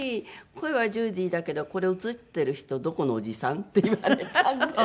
声はジュディだけどこれ映ってる人どこのおじさん？」って言われたんですよ。